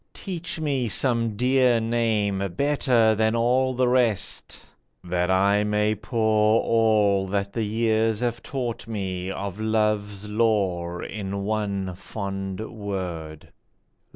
Teach me some dear name Better than all the rest, that I may pour All that the years have taught me of love's lore In one fond word.